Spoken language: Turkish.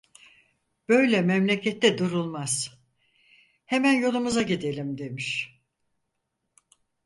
Böyle memlekette durulmaz, hemen yolumuza gidelim! demiş.